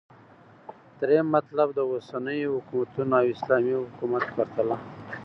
دريم مطلب - داوسنيو حكومتونو او اسلامې حكومت پرتله